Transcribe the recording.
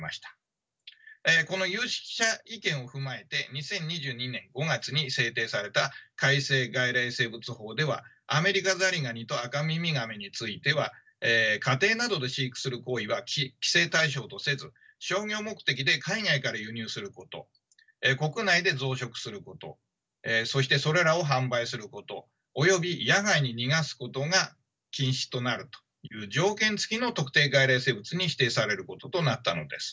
この有識者意見を踏まえて２０２２年５月に制定された改正外来生物法ではアメリカザリガニとアカミミガメについては家庭などで飼育する行為は規制対象とせず商業目的で海外から輸入すること国内で増殖することそしてそれらを販売することおよび野外に逃がすことが禁止となるという条件付きの特定外来生物に指定されることとなったのです。